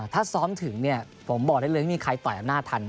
ถ้าซ้อมถึงเนี่ยผมบอกได้เลยไม่มีใครต่อยอำนาจทัน